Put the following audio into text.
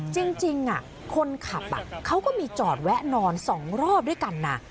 จริงอ่ะคนขับอ่ะเขาก็มีจอดแวะนอนสองรอบด้วยกันน่ะ